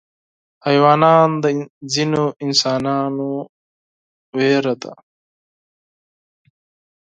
حیوانات د ځینو انسانانو ویره ده.